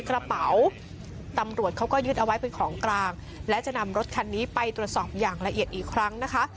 กระเป๋าตำรวจเขาก็ยึดเอาไว้เป็นของกลางและจะนำรถคันนี้ไปตรวจสอบอย่างละเอียดอีกครั้งนะคะ